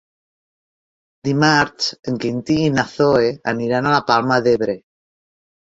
Dimarts en Quintí i na Zoè aniran a la Palma d'Ebre.